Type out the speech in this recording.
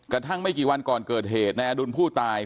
ไม่กี่วันก่อนเกิดเหตุนายอดุลผู้ตาย